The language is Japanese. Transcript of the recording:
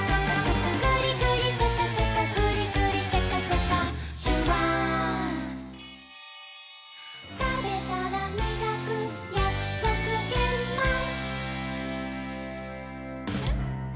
「グリグリシャカシャカグリグリシャカシャカ」「シュワー」「たべたらみがくやくそくげんまん」